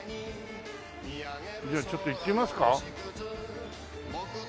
じゃあちょっと行ってみますか？